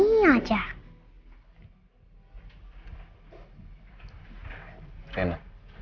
hai ini aja hai kena